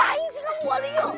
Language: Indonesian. ngapain sih kamu walau